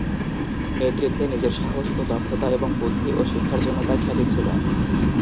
নেতৃত্বে নিজের সাহস ও দক্ষতা এবং বুদ্ধি ও শিক্ষার জন্য তার খ্যাতি ছিল।